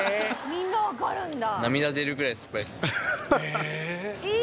「みんなわかるんだ」